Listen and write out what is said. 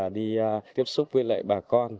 đi tiếp xúc với lại bà con